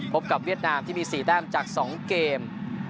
กับเวียดนามที่มี๔แต้มจาก๒เกม